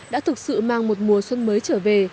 đã thực sự mang một mùa xuân mới trở về